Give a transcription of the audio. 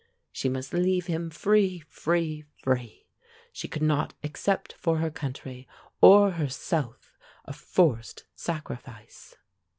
She must leave him free, free, free. She could not accept for her country or herself a forced sacrifice.